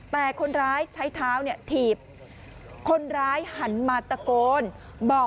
แต่คนร้ายใช้เท้าถีบ